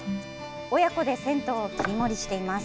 親子で銭湯を切り盛りしています。